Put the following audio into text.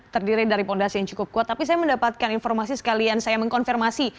terdiri dari fondasi yang cukup kuat tapi saya mendapatkan informasi sekalian saya mengkonfirmasi